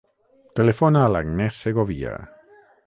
Telefona a l'Agnès Segovia.